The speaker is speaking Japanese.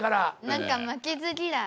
何か負けず嫌い。